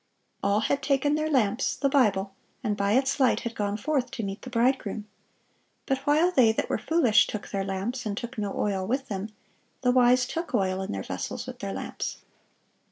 All had taken their lamps, the Bible, and by its light had gone forth to meet the Bridegroom. But while "they that were foolish took their lamps, and took no oil with them," "the wise took oil in their vessels with their lamps."